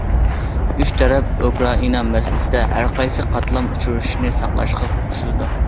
ئۈچ تەرەپ ئۇكرائىنا مەسىلىسىدە ھەر قايسى قاتلام ئۇچرىشىشىنى ساقلاشقا قوشۇلدى.